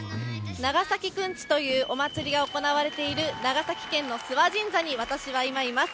長崎くんちというお祭りが行われている、長崎県の諏訪神社に、私は今います。